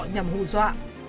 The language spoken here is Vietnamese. nhằm hù dọa